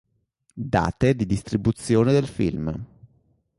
Date di distribuzione del film